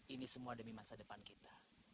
ini semua demi masa depan kita